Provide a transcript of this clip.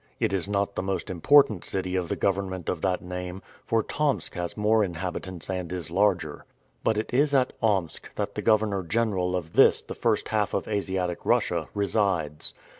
It is not the most important city of the government of that name, for Tomsk has more inhabitants and is larger. But it is at Omsk that the Governor General of this the first half of Asiatic Russia resides.